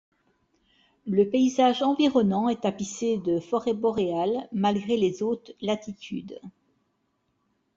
Le paysage environnant est tapissé de forêt boréale malgré les hautes latitudes.